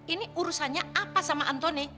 ini urusannya apa sama anthony